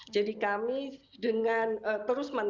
jadi kami dengan terus menerus